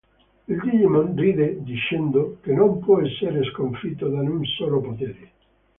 Il Digimon ride, dicendo che non può essere sconfitto da un solo potere.